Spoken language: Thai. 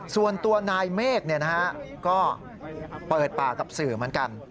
ส่วนตัวนายเมฆก็เปิดปากกับสื่อเหมือนกัน